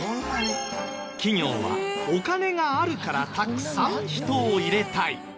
企業はお金があるからたくさん人を入れたい。